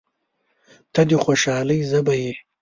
• ته د خوشحالۍ ژبه یې.